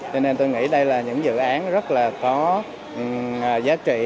cho nên tôi nghĩ đây là những dự án rất là có giá trị